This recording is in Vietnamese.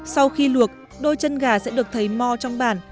sau khi luộc đôi chân gà sẽ được thấy mo cháy